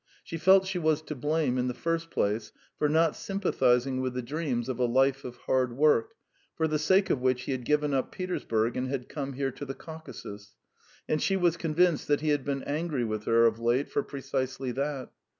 She felt she was to blame, in the first place, for not sympathising with the dreams of a life of hard work, for the sake of which he had given up Petersburg and had come here to the Caucasus, and she was convinced that he had been angry with her of late for precisely that.